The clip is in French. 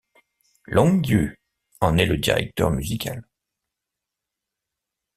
Long Yu en est le directeur musical.